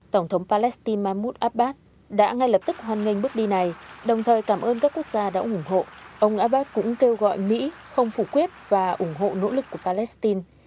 tổng thống palestine mahmoud abbas đã ngay lập tức hoan nghênh bước đi này đồng thời cảm ơn các quốc gia đã ủng hộ ông abbas cũng kêu gọi mỹ không phủ quyết và ủng hộ nỗ lực của palestine